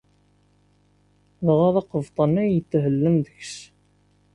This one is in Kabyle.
Dɣa d aqebṭan ay yethellan deg-s.